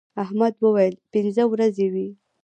احمد وويل: پینځه ورځې وې.